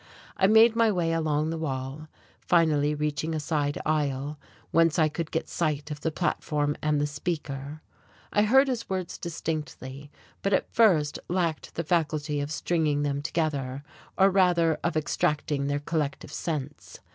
I made my way along the wall, finally reaching a side aisle, whence I could get sight of the platform and the speaker. I heard his words distinctly, but at first lacked the faculty of stringing them together, or rather of extracting their collective sense.